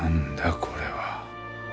これは。